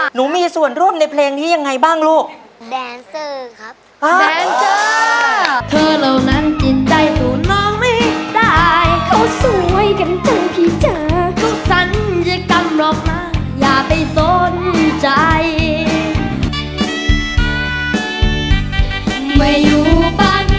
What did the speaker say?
หนูมีส่วนรูปในเพลงที่ยังไงบ้างลูกแดนเซอร์ครับแดนเซอร์